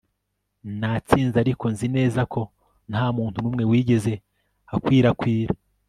Natsinze Ariko nzi neza ko ntamuntu numwe wigeze akwirakwira